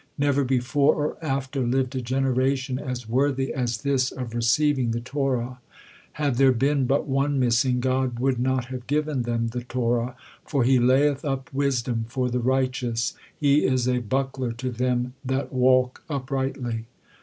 Never before or after lived a generation as worthy as this of receiving the Torah. Had there been but one missing, God would not have given them the Torah: "for He layeth up wisdom for the righteous; He is a buckler to them that walk uprightly."